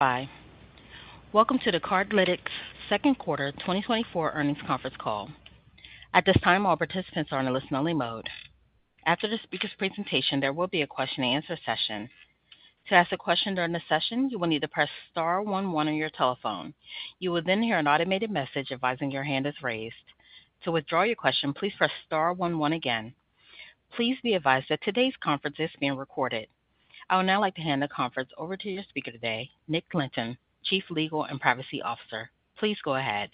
Hi. Welcome to the Cardlytics Second Quarter 2024 Earnings Conference Call. At this time, all participants are in a listen-only mode. After the speaker's presentation, there will be a question-and-answer session. To ask a question during the session, you will need to press star one one on your telephone. You will then hear an automated message advising your hand is raised. To withdraw your question, please press star one one again. Please be advised that today's conference is being recorded. I would now like to hand the conference over to your speaker today, Nick Lynton, Chief Legal and Privacy Officer. Please go ahead.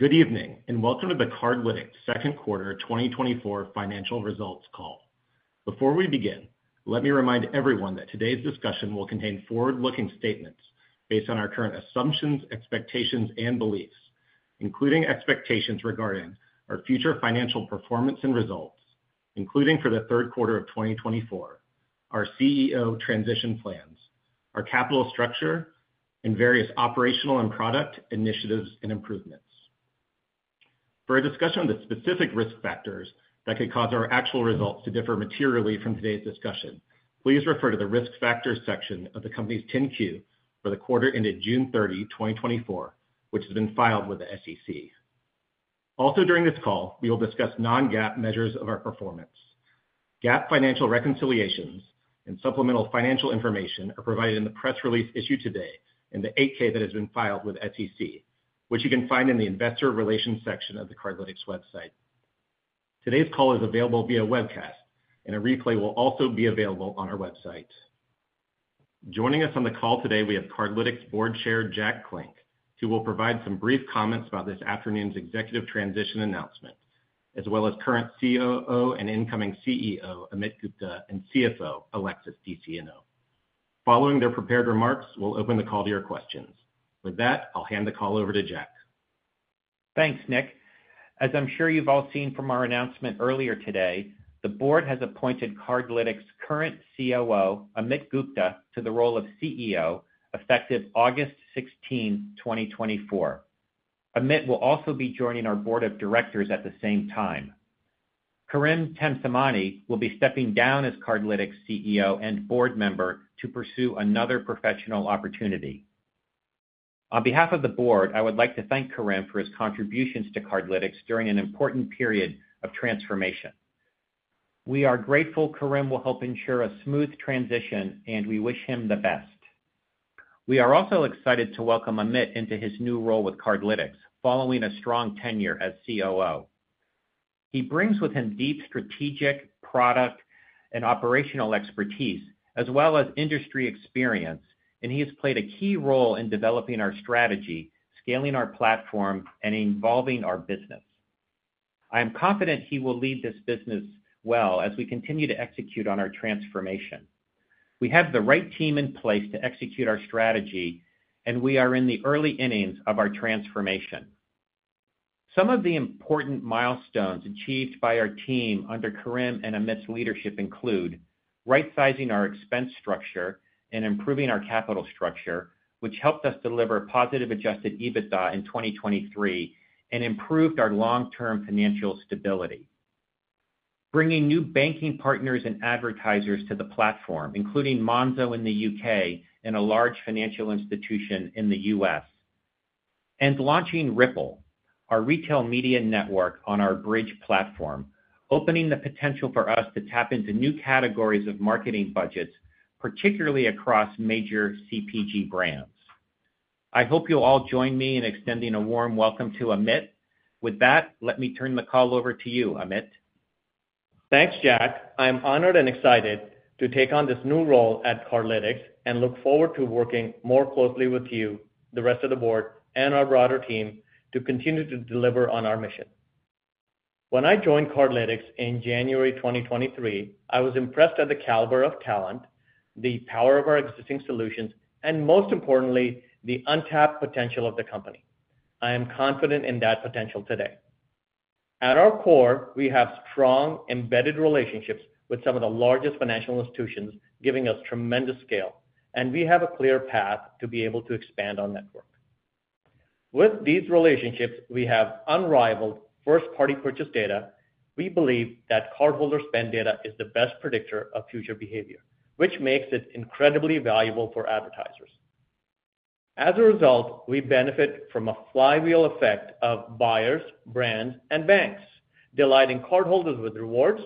Good evening, and welcome to the Cardlytics second quarter 2024 financial results call. Before we begin, let me remind everyone that today's discussion will contain forward-looking statements based on our current assumptions, expectations, and beliefs, including expectations regarding our future financial performance and results, including for the third quarter of 2024, our CEO transition plans, our capital structure, and various operational and product initiatives and improvements. For a discussion on the specific risk factors that could cause our actual results to differ materially from today's discussion, please refer to the Risk Factors section of the company's 10-Q for the quarter ended June 30, 2024, which has been filed with the SEC. Also, during this call, we will discuss non-GAAP measures of our performance. GAAP financial reconciliations and supplemental financial information are provided in the press release issued today in the 8-K that has been filed with the SEC, which you can find in the Investor Relations section of the Cardlytics website. Today's call is available via webcast, and a replay will also be available on our website. Joining us on the call today, we have Cardlytics Board Chair, Jack Klinck, who will provide some brief comments about this afternoon's executive transition announcement, as well as current COO and incoming CEO, Amit Gupta, and CFO, Alexis DeSieno. Following their prepared remarks, we'll open the call to your questions. With that, I'll hand the call over to Jack. Thanks, Nick. As I'm sure you've all seen from our announcement earlier today, the board has appointed Cardlytics' current COO, Amit Gupta, to the role of CEO, effective August 16, 2024. Amit will also be joining our board of directors at the same time. Karim Temsamani will be stepping down as Cardlytics CEO and board member to pursue another professional opportunity. On behalf of the board, I would like to thank Karim for his contributions to Cardlytics during an important period of transformation. We are grateful Karim will help ensure a smooth transition, and we wish him the best. We are also excited to welcome Amit into his new role with Cardlytics, following a strong tenure as COO. He brings with him deep strategic, product and operational expertise, as well as industry experience, and he has played a key role in developing our strategy, scaling our platform, and involving our business. I am confident he will lead this business well as we continue to execute on our transformation. We have the right team in place to execute our strategy, and we are in the early innings of our transformation. Some of the important milestones achieved by our team under Karim and Amit's leadership include right sizing our expense structure and improving our capital structure, which helped us deliver positive Adjusted EBITDA in 2023 and improved our long-term financial stability. Bringing new banking partners and advertisers to the platform, including Monzo in the UK and a large financial institution in the US, and launching Ripple, our retail media network, on our Bridg platform, opening the potential for us to tap into new categories of marketing budgets, particularly across major CPG brands. I hope you'll all join me in extending a warm welcome to Amit. With that, let me turn the call over to you, Amit. Thanks, Jack. I'm honored and excited to take on this new role at Cardlytics and look forward to working more closely with you, the rest of the board, and our broader team, to continue to deliver on our mission. When I joined Cardlytics in January 2023, I was impressed at the caliber of talent, the power of our existing solutions, and most importantly, the untapped potential of the company. I am confident in that potential today. At our core, we have strong, embedded relationships with some of the largest financial institutions, giving us tremendous scale, and we have a clear path to be able to expand our network. With these relationships, we have unrivaled first-party purchase data. We believe that cardholder spend data is the best predictor of future behavior, which makes it incredibly valuable for advertisers. As a result, we benefit from a flywheel effect of buyers, brands, and banks, delighting cardholders with rewards,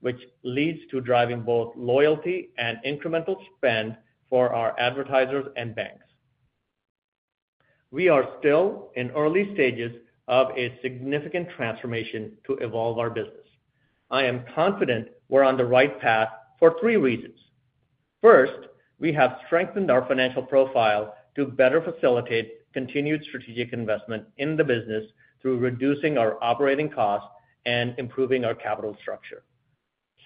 which leads to driving both loyalty and incremental spend for our advertisers and banks. We are still in early stages of a significant transformation to evolve our business. I am confident we're on the right path for three reasons. First, we have strengthened our financial profile to better facilitate continued strategic investment in the business through reducing our operating costs and improving our capital structure.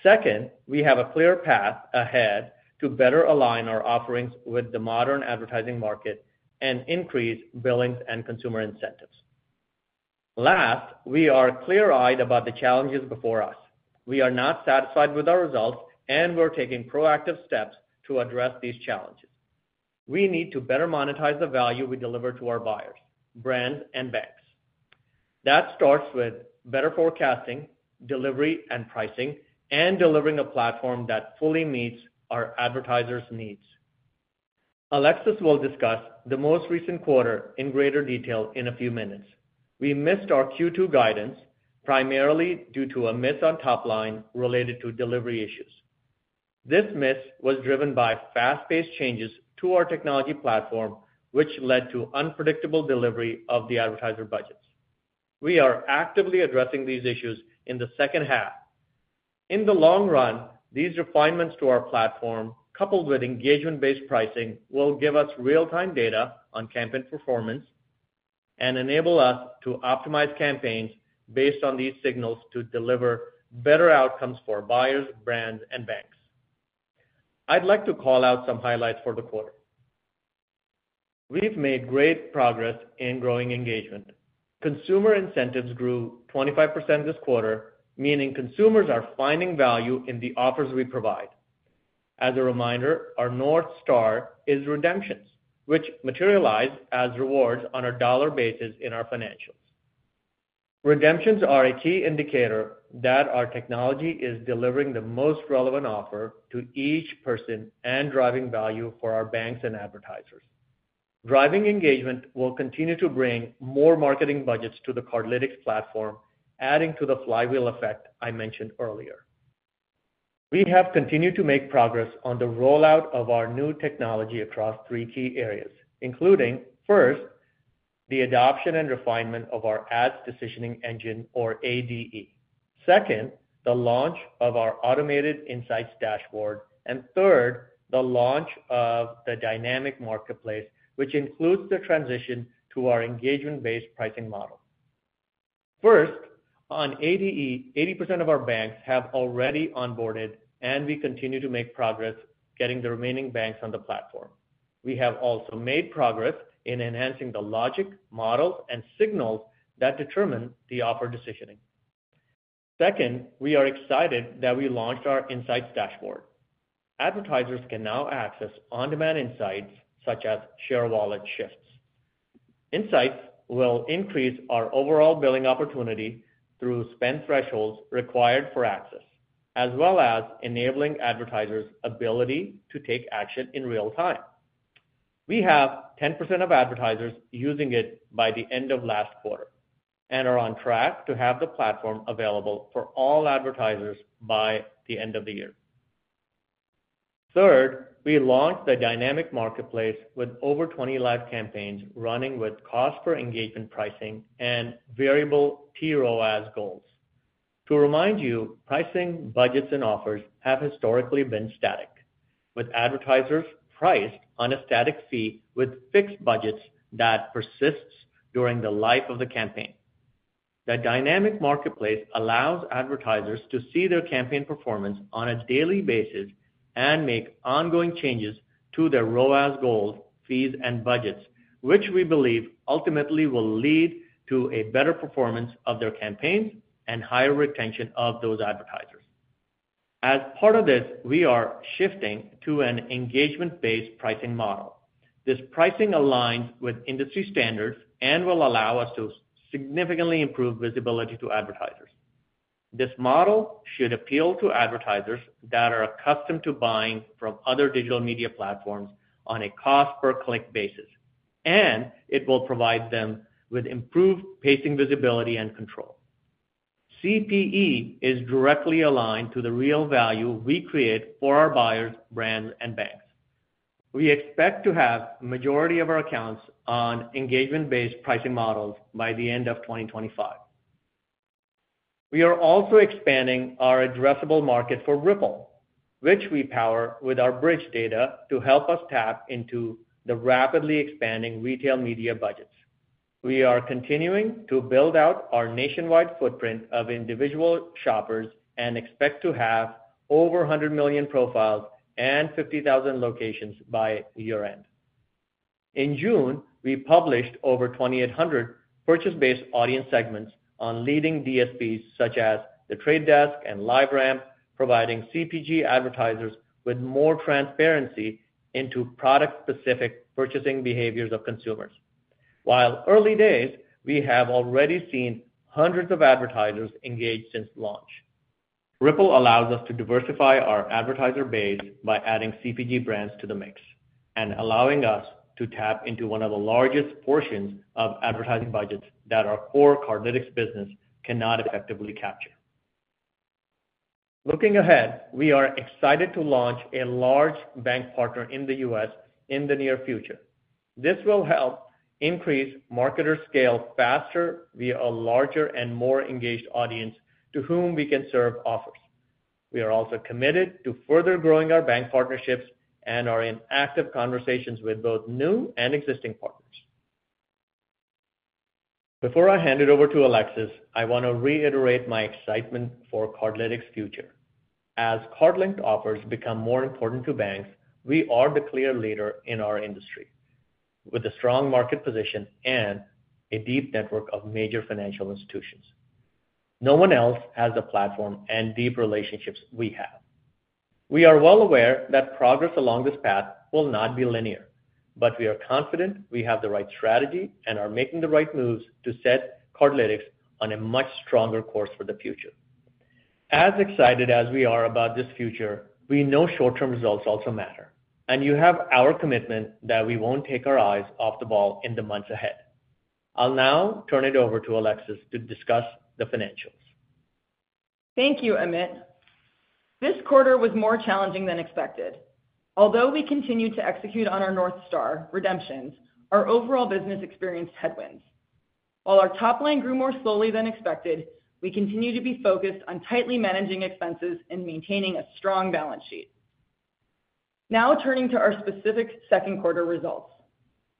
Second, we have a clear path ahead to better align our offerings with the modern advertising market and increase billings and consumer incentives. Last, we are clear-eyed about the challenges before us. We are not satisfied with our results, and we're taking proactive steps to address these challenges. We need to better monetize the value we deliver to our buyers, brands, and banks... That starts with better forecasting, delivery, and pricing, and delivering a platform that fully meets our advertisers' needs. Alexis will discuss the most recent quarter in greater detail in a few minutes. We missed our Q2 guidance, primarily due to a miss on top line related to delivery issues. This miss was driven by fast-paced changes to our technology platform, which led to unpredictable delivery of the advertiser budgets. We are actively addressing these issues in the second half. In the long run, these refinements to our platform, coupled with engagement-based pricing, will give us real-time data on campaign performance and enable us to optimize campaigns based on these signals to deliver better outcomes for buyers, brands, and banks. I'd like to call out some highlights for the quarter. We've made great progress in growing engagement. Consumer incentives grew 25% this quarter, meaning consumers are finding value in the offers we provide. As a reminder, our North Star is redemptions, which materialize as rewards on a dollar basis in our financials. Redemptions are a key indicator that our technology is delivering the most relevant offer to each person and driving value for our banks and advertisers. Driving engagement will continue to bring more marketing budgets to the Cardlytics platform, adding to the flywheel effect I mentioned earlier. We have continued to make progress on the rollout of our new technology across three key areas, including, first, the adoption and refinement of our Ad Decisioning Engine or ADE. Second, the launch of our automated Insights Dashboard. And third, the launch of the Dynamic Marketplace, which includes the transition to our engagement-based pricing model. First, on ADE, 80% of our banks have already onboarded, and we continue to make progress getting the remaining banks on the platform. We have also made progress in enhancing the logic, models, and signals that determine the offer decisioning. Second, we are excited that we launched our Insights Dashboard. Advertisers can now access on-demand insights, such as share of wallet shifts. Insights will increase our overall billing opportunity through spend thresholds required for access, as well as enabling advertisers' ability to take action in real time. We have 10% of advertisers using it by the end of last quarter and are on track to have the platform available for all advertisers by the end of the year. Third, we launched the Dynamic Marketplace with over 20 live campaigns running with cost per engagement pricing and variable tROAS goals. To remind you, pricing, budgets, and offers have historically been static, with advertisers priced on a static fee with fixed budgets that persists during the life of the campaign. The Dynamic Marketplace allows advertisers to see their campaign performance on a daily basis and make ongoing changes to their ROAS goals, fees, and budgets, which we believe ultimately will lead to a better performance of their campaigns and higher retention of those advertisers. As part of this, we are shifting to an Engagement-based Pricing model. This pricing aligns with industry standards and will allow us to significantly improve visibility to advertisers. This model should appeal to advertisers that are accustomed to buying from other digital media platforms on a cost-per-click basis, and it will provide them with improved pacing, visibility, and control. CPE is directly aligned to the real value we create for our buyers, brands, and banks. We expect to have majority of our accounts on engagement-based pricing models by the end of 2025. We are also expanding our addressable market for Ripple, which we power with our Bridge data to help us tap into the rapidly expanding retail media budgets. We are continuing to build out our nationwide footprint of individual shoppers and expect to have over 100 million profiles and 50,000 locations by year-end. In June, we published over 2,800 purchase-based audience segments on leading DSPs, such as The Trade Desk and LiveRamp, providing CPG advertisers with more transparency into product-specific purchasing behaviors of consumers. While early days, we have already seen hundreds of advertisers engaged since launch. Ripple allows us to diversify our advertiser base by adding CPG brands to the mix and allowing us to tap into one of the largest portions of advertising budgets that our core Cardlytics business cannot effectively capture. Looking ahead, we are excited to launch a large bank partner in the U.S. in the near future. This will help increase marketer scale faster via a larger and more engaged audience to whom we can serve offers. We are also committed to further growing our bank partnerships and are in active conversations with both new and existing partners. Before I hand it over to Alexis, I want to reiterate my excitement for Cardlytics' future. As card-linked offers become more important to banks, we are the clear leader in our industry, with a strong market position and a deep network of major financial institutions. No one else has the platform and deep relationships we have... We are well aware that progress along this path will not be linear, but we are confident we have the right strategy and are making the right moves to set Cardlytics on a much stronger course for the future. As excited as we are about this future, we know short-term results also matter, and you have our commitment that we won't take our eyes off the ball in the months ahead. I'll now turn it over to Alexis to discuss the financials. Thank you, Amit. This quarter was more challenging than expected. Although we continued to execute on our North Star, redemptions, our overall business experienced headwinds. While our top line grew more slowly than expected, we continue to be focused on tightly managing expenses and maintaining a strong balance sheet. Now turning to our specific second quarter results.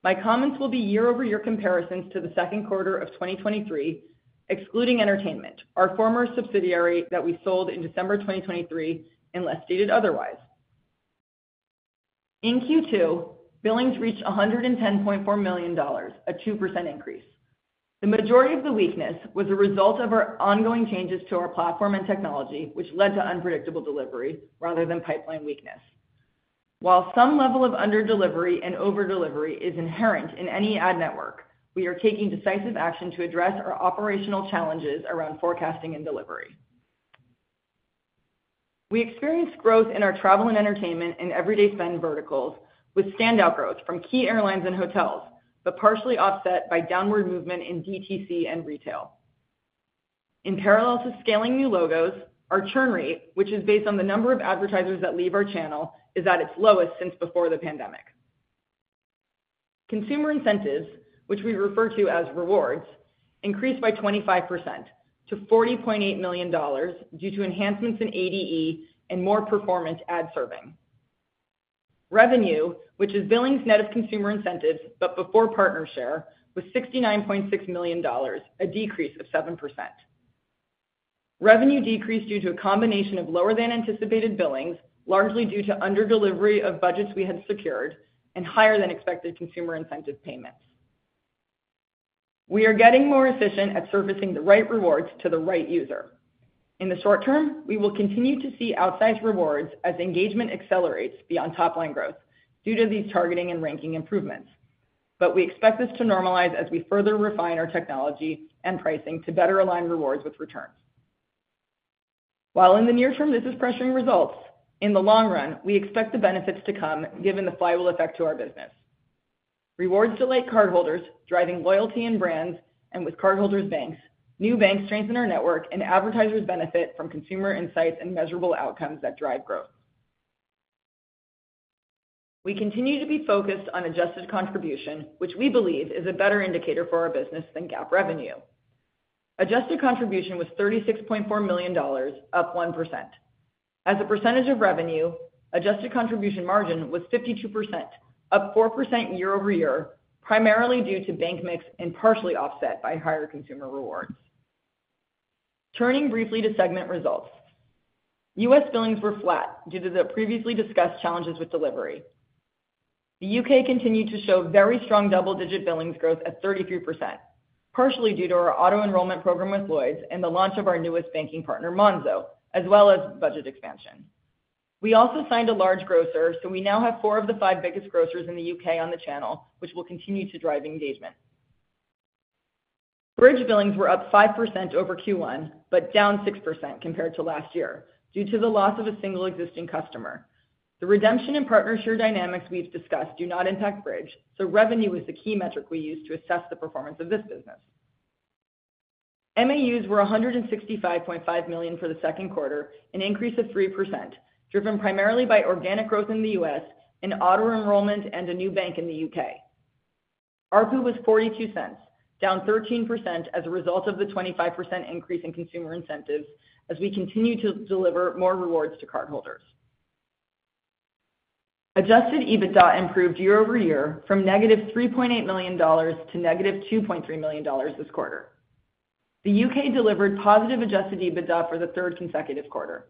My comments will be year-over-year comparisons to the second quarter of 2023, excluding Entertainment, our former subsidiary that we sold in December 2023, unless stated otherwise. In Q2, billings reached $110.4 million, a 2% increase. The majority of the weakness was a result of our ongoing changes to our platform and technology, which led to unpredictable delivery rather than pipeline weakness. While some level of under-delivery and over-delivery is inherent in any ad network, we are taking decisive action to address our operational challenges around forecasting and delivery. We experienced growth in our travel and Entertainment and everyday spend verticals, with standout growth from key airlines and hotels, but partially offset by downward movement in DTC and retail. In parallel to scaling new logos, our churn rate, which is based on the number of advertisers that leave our channel, is at its lowest since before the pandemic. Consumer incentives, which we refer to as rewards, increased by 25% to $40.8 million due to enhancements in ADE and more performance ad serving. Revenue, which is billings net of consumer incentives but before partner share, was $69.6 million, a decrease of 7%. Revenue decreased due to a combination of lower than anticipated billings, largely due to under-delivery of budgets we had secured, and higher than expected consumer incentive payments. We are getting more efficient at servicing the right rewards to the right user. In the short term, we will continue to see outsized rewards as engagement accelerates beyond top line growth due to these targeting and ranking improvements. But we expect this to normalize as we further refine our technology and pricing to better align rewards with returns. While in the near term, this is pressuring results, in the long run, we expect the benefits to come given the flywheel effect to our business. Rewards delight cardholders, driving loyalty in brands, and with cardholders' banks. New banks strengthen our network, and advertisers benefit from consumer insights and measurable outcomes that drive growth. We continue to be focused on adjusted contribution, which we believe is a better indicator for our business than GAAP revenue. Adjusted contribution was $36.4 million, up 1%. As a percentage of revenue, adjusted contribution margin was 52%, up 4% year-over-year, primarily due to bank mix and partially offset by higher consumer rewards. Turning briefly to segment results. U.S. billings were flat due to the previously discussed challenges with delivery. The U.K. continued to show very strong double-digit billings growth at 33%, partially due to our auto-enrollment program with Lloyds and the launch of our newest banking partner, Monzo, as well as budget expansion. We also signed a large grocer, so we now have four of the five biggest grocers in the U.K. on the channel, which will continue to drive engagement. Bridge billings were up 5% over Q1, but down 6% compared to last year due to the loss of a single existing customer. The redemption and partner share dynamics we've discussed do not impact Bridge, so revenue is the key metric we use to assess the performance of this business. MAUs were 165.5 million for the second quarter, an increase of 3%, driven primarily by organic growth in the U.S. and auto enrollment and a new bank in the U.K. ARPU was $0.42, down 13% as a result of the 25% increase in consumer incentives as we continue to deliver more rewards to cardholders. Adjusted EBITDA improved year-over-year from -$3.8 million to -$2.3 million this quarter. The U.K. delivered positive adjusted EBITDA for the third consecutive quarter.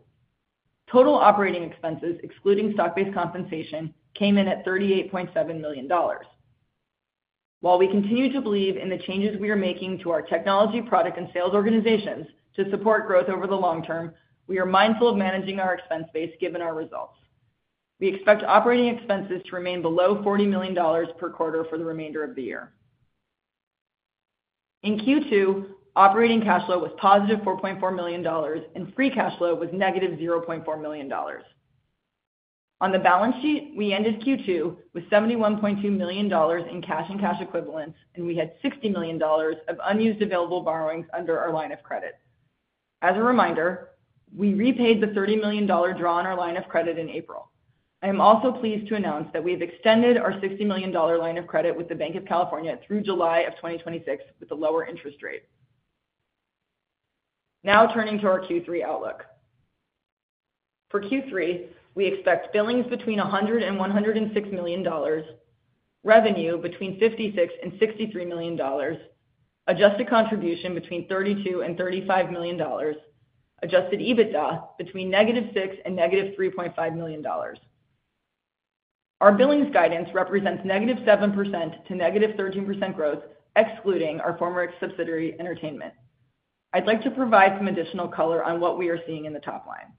Total operating expenses, excluding stock-based compensation, came in at $38.7 million. While we continue to believe in the changes we are making to our technology, product, and sales organizations to support growth over the long term, we are mindful of managing our expense base given our results. We expect operating expenses to remain below $40 million per quarter for the remainder of the year. In Q2, operating cash flow was positive $4.4 million, and free cash flow was negative $0.4 million. On the balance sheet, we ended Q2 with $71.2 million in cash and cash equivalents, and we had $60 million of unused available borrowings under our line of credit. As a reminder, we repaid the $30 million draw on our line of credit in April. I am also pleased to announce that we've extended our $60 million line of credit with the Banc of California through July of 2026 with a lower interest rate. Now turning to our Q3 outlook. For Q3, we expect billings between $100 million and $106 million, revenue between $56 million and $63 million, adjusted contribution between $32 million and $35 million, adjusted EBITDA between -$6 million and -$3.5 million. Our billings guidance represents -7% to -13% growth, excluding our former subsidiary Entertainment. I'd like to provide some additional color on what we are seeing in the top line.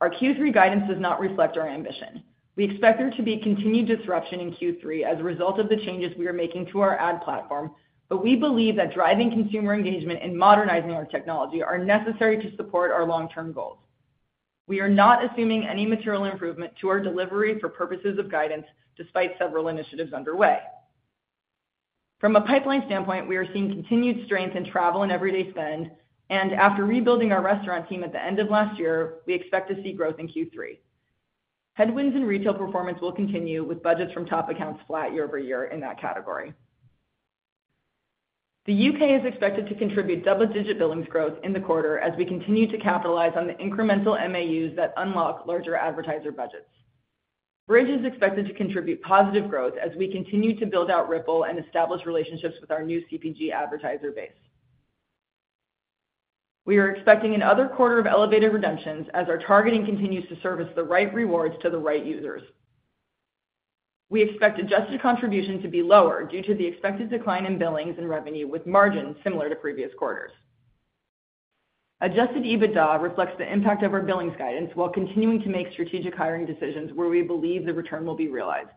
Our Q3 guidance does not reflect our ambition. We expect there to be continued disruption in Q3 as a result of the changes we are making to our ad platform, but we believe that driving consumer engagement and modernizing our technology are necessary to support our long-term goals. We are not assuming any material improvement to our delivery for purposes of guidance, despite several initiatives underway. From a pipeline standpoint, we are seeing continued strength in travel and everyday spend, and after rebuilding our restaurant team at the end of last year, we expect to see growth in Q3. Headwinds in retail performance will continue, with budgets from top accounts flat year-over-year in that category. The UK is expected to contribute double-digit billings growth in the quarter as we continue to capitalize on the incremental MAUs that unlock larger advertiser budgets. Bridge is expected to contribute positive growth as we continue to build out Ripple and establish relationships with our new CPG advertiser base. We are expecting another quarter of elevated redemptions as our targeting continues to service the right rewards to the right users. We expect adjusted contribution to be lower due to the expected decline in billings and revenue, with margin similar to previous quarters. Adjusted EBITDA reflects the impact of our billings guidance while continuing to make strategic hiring decisions where we believe the return will be realized.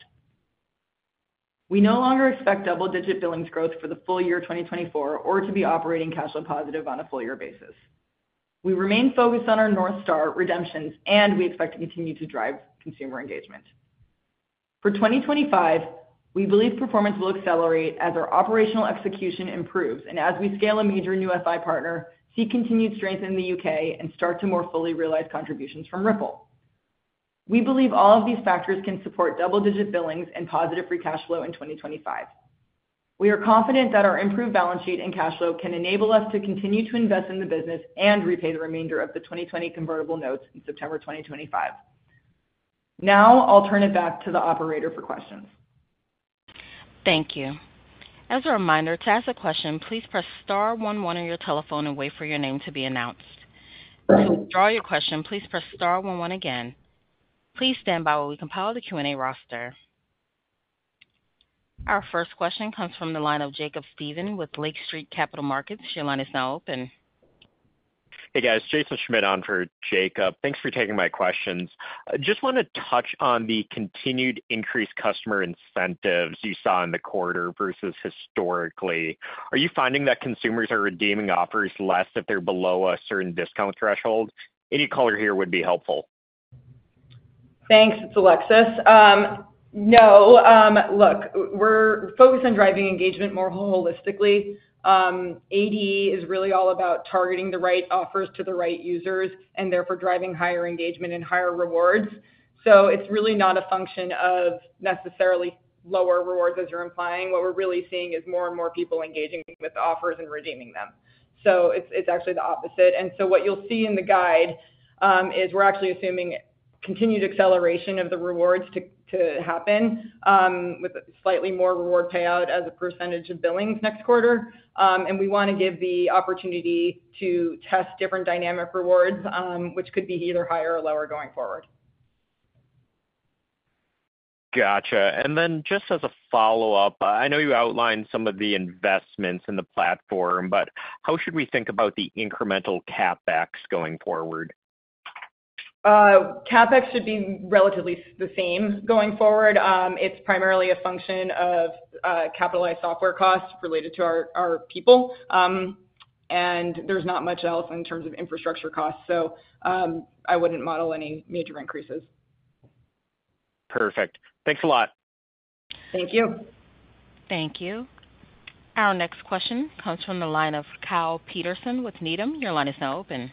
We no longer expect double-digit billings growth for the full year 2024 or to be operating cash flow positive on a full year basis. We remain focused on our North Star redemptions, and we expect to continue to drive consumer engagement. For 2025, we believe performance will accelerate as our operational execution improves and as we scale a major new FI partner, see continued strength in the UK, and start to more fully realize contributions from Ripple. We believe all of these factors can support double-digit billings and positive free cash flow in 2025. We are confident that our improved balance sheet and cash flow can enable us to continue to invest in the business and repay the remainder of the 2020 convertible notes in September 2025. Now, I'll turn it back to the operator for questions. Thank you. As a reminder, to ask a question, please press star one one on your telephone and wait for your name to be announced. To withdraw your question, please press star one one again. Please stand by while we compile the Q&A roster. Our first question comes from the line of Jacob Stephan with Lake Street Capital Markets. Your line is now open. Hey, guys. Jaeson Schmidt on for Jacob. Thanks for taking my questions. I just want to touch on the continued increased customer incentives you saw in the quarter versus historically. Are you finding that consumers are redeeming offers less if they're below a certain discount threshold? Any color here would be helpful. Thanks. It's Alexis. No. Look, we're focused on driving engagement more holistically. ADE is really all about targeting the right offers to the right users, and therefore, driving higher engagement and higher rewards. So it's really not a function of necessarily lower rewards, as you're implying. What we're really seeing is more and more people engaging with offers and redeeming them. So it's actually the opposite. And so what you'll see in the guide is we're actually assuming continued acceleration of the rewards to happen with slightly more reward payout as a percentage of billings next quarter. And we want to give the opportunity to test different dynamic rewards, which could be either higher or lower going forward. Gotcha. Just as a follow-up, I know you outlined some of the investments in the platform, but how should we think about the incremental CapEx going forward? CapEx should be relatively the same going forward. It's primarily a function of capitalized software costs related to our people. There's not much else in terms of infrastructure costs, so I wouldn't model any major increases. Perfect. Thanks a lot. Thank you. Thank you. Our next question comes from the line of Kyle Peterson with Needham. Your line is now open.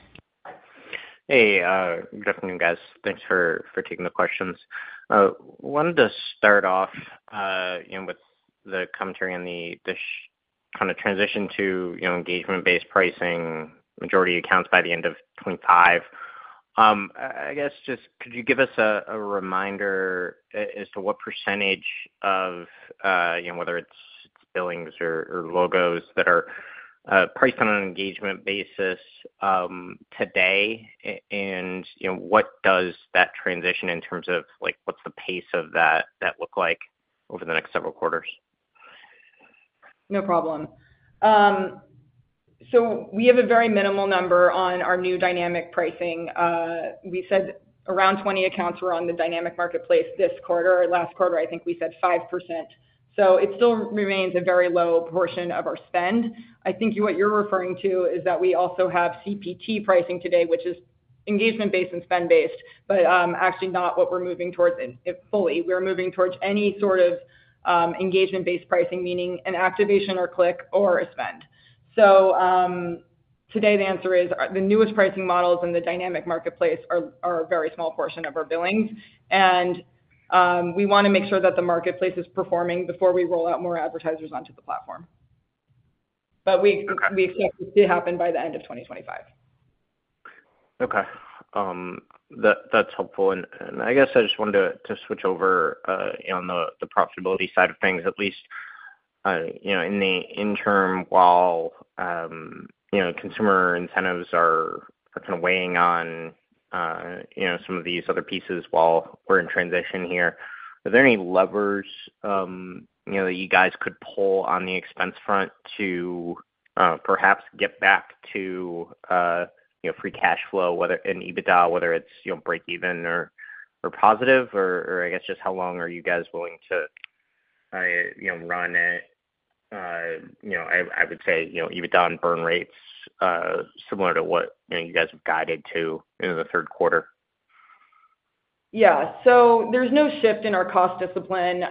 Hey, good afternoon, guys. Thanks for taking the questions. Wanted to start off, you know, with the commentary on the kind of transition to, you know, engagement-based pricing, majority accounts by the end of 2025. I guess, just could you give us a reminder as to what percentage of, you know, whether it's billings or logos that are priced on an engagement basis today? And, you know, what does that transition in terms of, like, what's the pace of that look like over the next several quarters? No problem. So we have a very minimal number on our new dynamic pricing. We said around 20 accounts were on the Dynamic Marketplace this quarter. Last quarter, I think we said 5%. So it still remains a very low portion of our spend. I think what you're referring to is that we also have CPT pricing today, which is engagement-based and spend-based, but actually not what we're moving towards it fully. We're moving towards any sort of engagement-based pricing, meaning an activation or click or a spend. So today, the answer is the newest pricing models in the Dynamic Marketplace are a very small portion of our Billings, and we want to make sure that the marketplace is performing before we roll out more advertisers onto the platform. Okay. But we expect to see it happen by the end of 2025. Okay. That's helpful. And I guess I just wanted to switch over on the profitability side of things, at least— you know, in the interim, while you know, consumer incentives are kind of weighing on you know, some of these other pieces while we're in transition here, are there any levers, you know, that you guys could pull on the expense front to perhaps get back to you know, Free Cash Flow, whether in EBITDA, whether it's you know, breakeven or positive? Or I guess, just how long are you guys willing to you know, run it? You know, I would say, you know, EBITDA and burn rates similar to what you know, you guys have guided to in the third quarter. Yeah. So there's no shift in our cost discipline.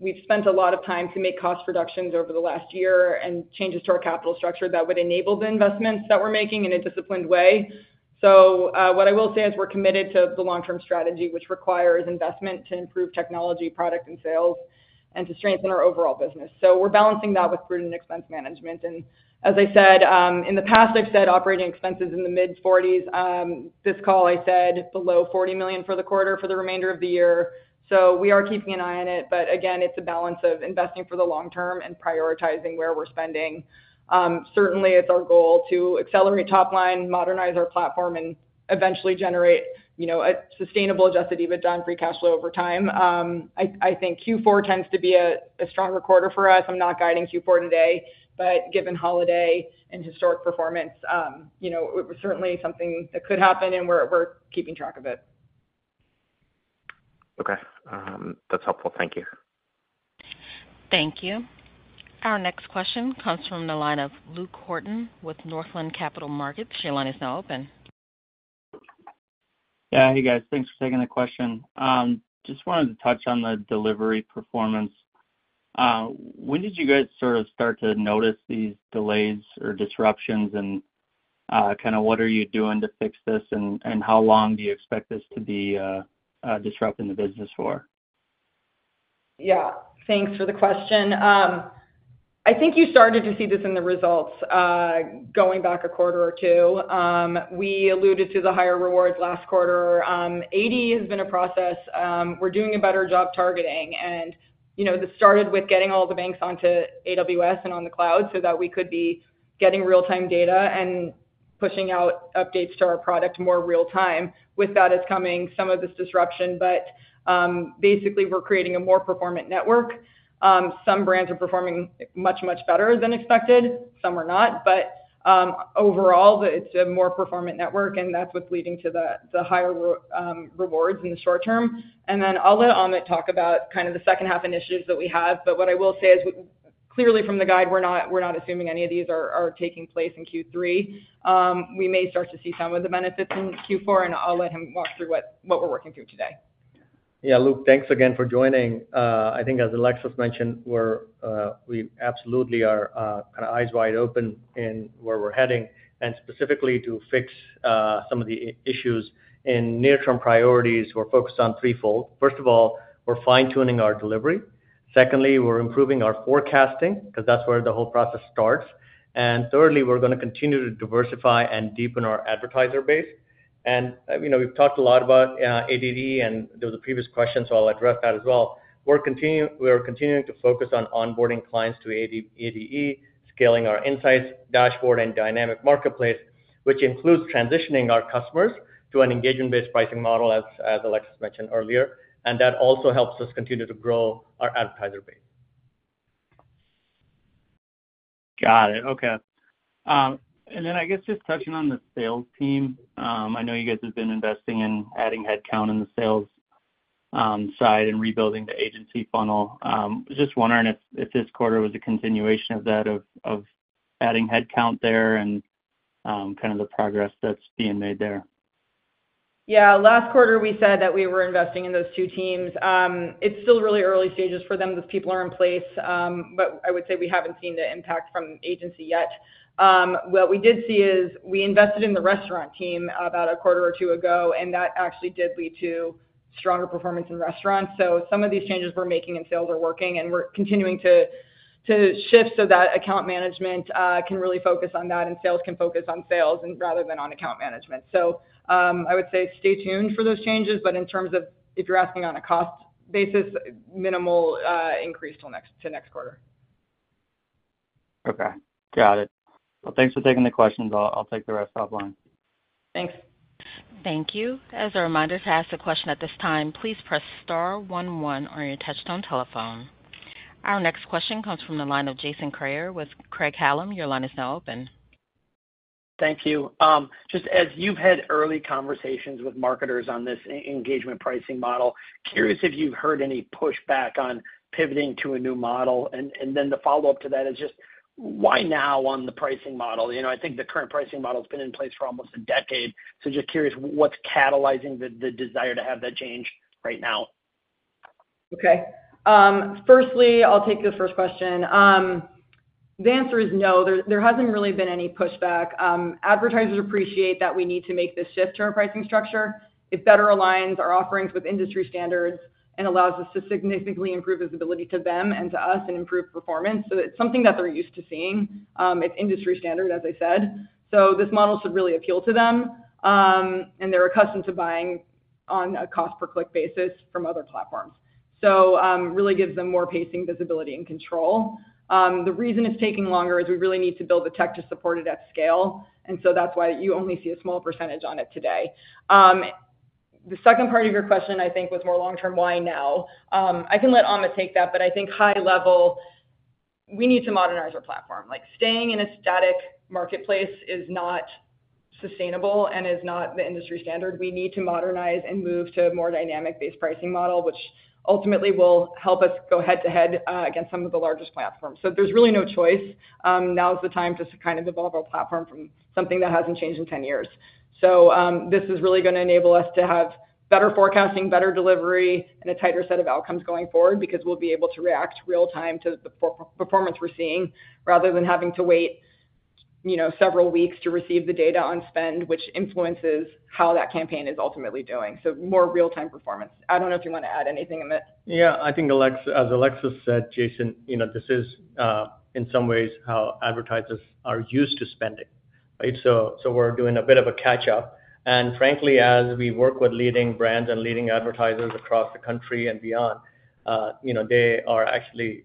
We've spent a lot of time to make cost reductions over the last year and changes to our capital structure that would enable the investments that we're making in a disciplined way. So, what I will say is we're committed to the long-term strategy, which requires investment to improve technology, product, and sales, and to strengthen our overall business. So we're balancing that with prudent expense management. And as I said, in the past, I've said operating expenses in the mid-40s. This call, I said below $40 million for the quarter for the remainder of the year. So we are keeping an eye on it, but again, it's a balance of investing for the long term and prioritizing where we're spending. Certainly, it's our goal to accelerate top line, modernize our platform, and eventually generate, you know, a sustainable Adjusted EBITDA and Free Cash Flow over time. I think Q4 tends to be a stronger quarter for us. I'm not guiding Q4 today, but given holiday and historic performance, you know, it was certainly something that could happen, and we're keeping track of it. Okay. That's helpful. Thank you. Thank you. Our next question comes from the line of Luke Hannan with Northland Capital Markets. Your line is now open. Yeah, hey, guys, thanks for taking the question. Just wanted to touch on the delivery performance. When did you guys sort of start to notice these delays or disruptions, and kind of what are you doing to fix this, and how long do you expect this to be disrupting the business for? Yeah. Thanks for the question. I think you started to see this in the results, going back a quarter or two. We alluded to the higher rewards last quarter. ADE has been a process, we're doing a better job targeting. And, you know, this started with getting all the banks onto AWS and on the cloud so that we could be getting real-time data and pushing out updates to our product more real time. With that is coming some of this disruption, but, basically, we're creating a more performant network. Some brands are performing much, much better than expected, some are not. But, overall, it's a more performant network, and that's what's leading to the higher rewards in the short term. And then I'll let Amit talk about kind of the second-half initiatives that we have, but what I will say is, clearly from the guide, we're not assuming any of these are taking place in Q3. We may start to see some of the benefits in Q4, and I'll let him walk through what we're working through today. Yeah, Luke, thanks again for joining. I think as Alexis mentioned, we're absolutely kind of eyes wide open in where we're heading, and specifically to fix some of the issues and near-term priorities, we're focused on threefold. First of all, we're fine-tuning our delivery. Secondly, we're improving our forecasting, 'cause that's where the whole process starts. And thirdly, we're gonna continue to diversify and deepen our advertiser base. And, you know, we've talked a lot about ADE, and there was a previous question, so I'll address that as well. We are continuing to focus on onboarding clients to ADE, scaling our Insights Dashboard, and Dynamic Marketplace, which includes transitioning our customers to an engagement-based pricing model, as Alexis mentioned earlier, and that also helps us continue to grow our advertiser base. Got it. Okay. And then I guess just touching on the sales team, I know you guys have been investing in adding headcount in the sales side and rebuilding the agency funnel. Just wondering if this quarter was a continuation of that, of adding headcount there and kind of the progress that's being made there? Yeah. Last quarter, we said that we were investing in those two teams. It's still really early stages for them. Those people are in place, but I would say we haven't seen the impact from agency yet. What we did see is, we invested in the restaurant team about a quarter or two ago, and that actually did lead to stronger performance in restaurants. So some of these changes we're making in sales are working, and we're continuing to shift so that account management can really focus on that, and sales can focus on sales and rather than on account management. So, I would say stay tuned for those changes, but in terms of if you're asking on a cost basis, minimal increase to next quarter. Okay. Got it. Well, thanks for taking the questions. I'll take the rest offline. Thanks. Thank you. As a reminder, to ask a question at this time, please press star one one on your touchtone telephone. Our next question comes from the line of Jason Kreyerwith Craig-Hallum. Your line is now open. Thank you. Just as you've had early conversations with marketers on this engagement pricing model, curious if you've heard any pushback on pivoting to a new model. And then the follow-up to that is just, why now on the pricing model? You know, I think the current pricing model has been in place for almost a decade. So just curious, what's catalyzing the desire to have that change right now? Okay. Firstly, I'll take the first question. The answer is no, there, there hasn't really been any pushback. Advertisers appreciate that we need to make this shift to our pricing structure. It better aligns our offerings with industry standards and allows us to significantly improve visibility to them and to us and improve performance. So it's something that they're used to seeing. It's industry standard, as I said. So this model should really appeal to them, and they're accustomed to buying on a cost per click basis from other platforms. So, really gives them more pacing, visibility, and control. The reason it's taking longer is we really need to build the tech to support it at scale, and so that's why you only see a small percentage on it today. The second part of your question, I think, was more long term, why now? I can let Amit take that, but I think high level, we need to modernize our platform. Like, staying in a static marketplace is not sustainable and is not the industry standard. We need to modernize and move to a more dynamic-based pricing model, which ultimately will help us go head-to-head against some of the largest platforms. So there's really no choice. Now is the time to kind of develop our platform from something that hasn't changed in 10 years. So, this is really gonna enable us to have better forecasting, better delivery, and a tighter set of outcomes going forward, because we'll be able to react real time to the performance we're seeing, rather than having to wait, you know, several weeks to receive the data on spend, which influences how that campaign is ultimately doing. So more real-time performance. I don't know if you want to add anything, Amit? Yeah, I think as Alexis said, Jason, you know, this is in some ways how advertisers are used to spending, right? So, we're doing a bit of a catch-up. And frankly, as we work with leading brands and leading advertisers across the country and beyond, you know, they are actually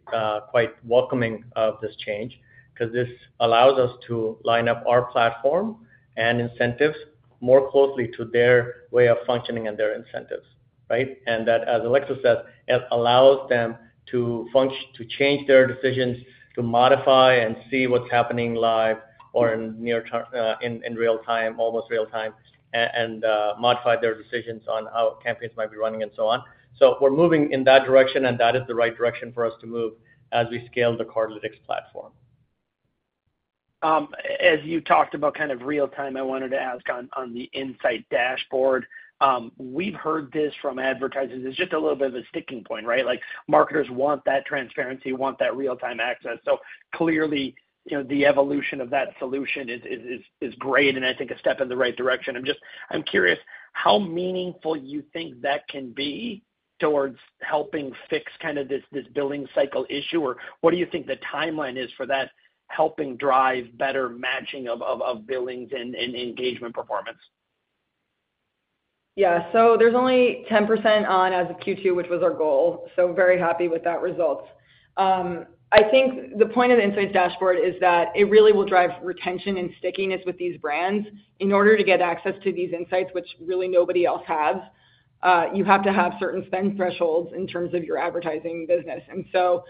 quite welcoming of this change. 'Cause this allows us to line up our platform and incentives more closely to their way of functioning and their incentives, right? And that, as Alexis said, it allows them to change their decisions, to modify and see what's happening live or in near term in real time, almost real time, and modify their decisions on how campaigns might be running and so on. We're moving in that direction, and that is the right direction for us to move as we scale the Cardlytics platform. As you talked about kind of real-time, I wanted to ask on the Insights Dashboard. We've heard this from advertisers. It's just a little bit of a sticking point, right? Like, marketers want that transparency, want that real-time access. So clearly, you know, the evolution of that solution is great, and I think a step in the right direction. I'm just curious, how meaningful you think that can be towards helping fix kind of this billing cycle issue, or what do you think the timeline is for that helping drive better matching of billings and engagement performance? Yeah. So there's only 10% on as of Q2, which was our goal, so very happy with that result. I think the point of the Insights Dashboard is that it really will drive retention and stickiness with these brands. In order to get access to these insights, which really nobody else has, you have to have certain spend thresholds in terms of your advertising business. And so,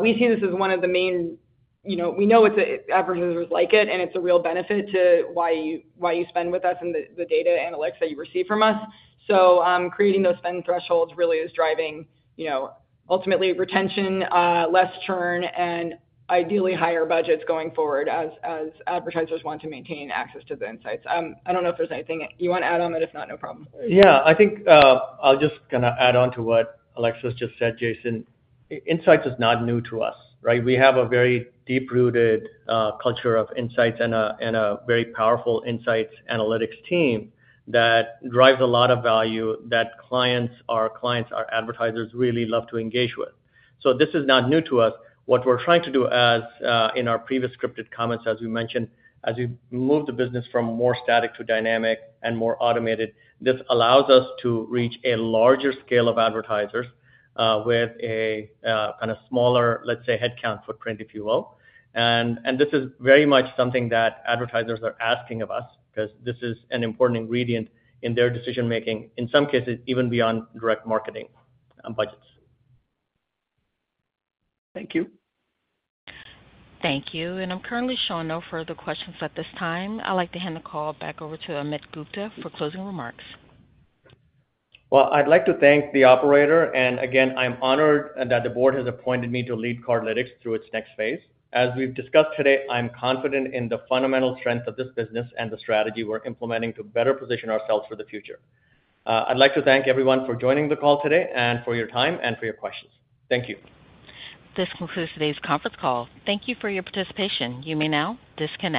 we see this as one of the main... You know, we know it's advertisers like it, and it's a real benefit to why you, why you spend with us and the, the data analytics that you receive from us. So, creating those spend thresholds really is driving, you know, ultimately retention, less churn, and ideally, higher budgets going forward as, as advertisers want to maintain access to the insights. I don't know if there's anything you want to add, Amit. If not, no problem. Yeah. I think, I'll just kinda add on to what Alexis just said, Jason. Insights is not new to us, right? We have a very deep-rooted culture of insights and a very powerful insights analytics team that drives a lot of value that clients, our clients, our advertisers really love to engage with. So this is not new to us. What we're trying to do as, in our previous scripted comments, as we mentioned, as we move the business from more static to dynamic and more automated, this allows us to reach a larger scale of advertisers with a kind of smaller, let's say, headcount footprint, if you will. And this is very much something that advertisers are asking of us, 'cause this is an important ingredient in their decision-making, in some cases, even beyond direct marketing budgets. Thank you. Thank you. I'm currently showing no further questions at this time. I'd like to hand the call back over to Amit Gupta for closing remarks. Well, I'd like to thank the operator, and again, I'm honored that the board has appointed me to lead Cardlytics through its next phase. As we've discussed today, I'm confident in the fundamental strength of this business and the strategy we're implementing to better position ourselves for the future. I'd like to thank everyone for joining the call today and for your time and for your questions. Thank you. This concludes today's conference call. Thank you for your participation. You may now disconnect.